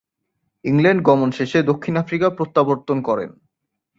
England গমন শেষে দক্ষিণ আফ্রিকা প্রত্যাবর্তন করেন।